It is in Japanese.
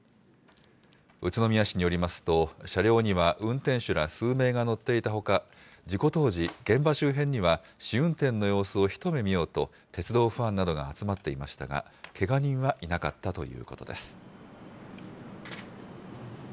宇都宮市によりますと、車両には運転手ら数名が乗っていたほか、事故当時、現場周辺には試運転の様子を一目見ようと、鉄道ファンなどが集まっていましたが、けが人はいなかったということです。